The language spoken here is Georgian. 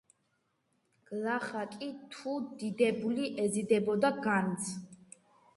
გლახაკი თუ დიდებული ეზიდებოდა განძს,.